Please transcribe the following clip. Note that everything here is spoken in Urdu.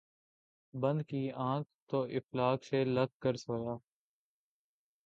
بند کی آنکھ ، تو افلاک سے لگ کر سویا